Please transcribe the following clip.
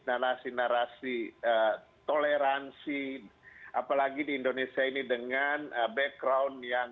narasi narasi toleransi apalagi di indonesia ini dengan background yang